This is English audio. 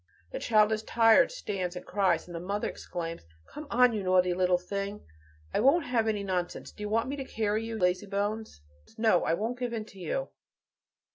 The child is tired and stands and cries, and the mother exclaims, "Come on, you naughty little thing! I won't have any nonsense. Do you want me to carry you, lazybones? No, I won't give in to you."